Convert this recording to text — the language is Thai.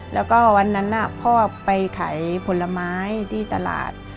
แล้วก็วันนั้นพ่อไปขายผลไม้ที่ตลาด